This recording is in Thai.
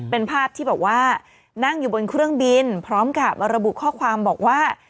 เป็นภาพที่บอกว่านั่งอยู่บนเครื่องบินพร้อมกับระบุข้อความบอกว่า